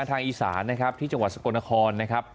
ทางอีสานนะครับที่จังหวัดสกลนครนะครับ